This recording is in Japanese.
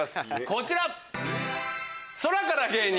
こちら！